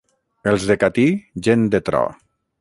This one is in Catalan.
Els de Catí, gent de tro.